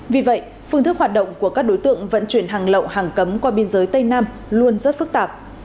vì vậy phương thức hoạt động của các đối tượng vận chuyển hàng lậu hàng cấm qua biên giới tây nam luôn rất phức tạp